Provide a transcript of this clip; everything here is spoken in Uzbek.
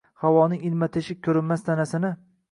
Havoning ilma-teshik ko‘rinmas tanasini